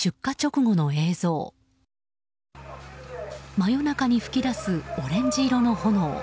真夜中に噴き出すオレンジ色の炎。